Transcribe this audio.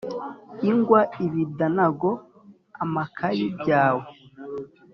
Ingwa ibidanago amakayi byawe